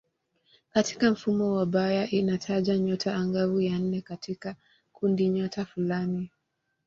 Katika mfumo wa Bayer inataja nyota angavu ya nne katika kundinyota fulani.